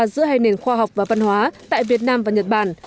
giữa hai nền khoa học và văn hóa tại việt nam và nhật bản